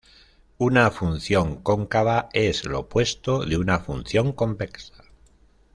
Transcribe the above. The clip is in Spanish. Una función cóncava es lo opuesto de una función convexa.